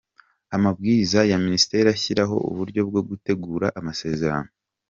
Amabwiriza ya Minisitiri ashyiraho uburyo bwo gutegura amasezerano